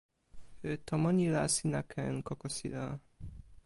tomo ni la sina ken kokosila.